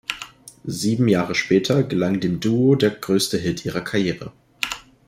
Sieben Jahre später gelang dem Duo der größte Hit ihrer Karriere.